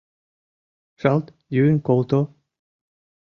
— Шалт йӱын колто!..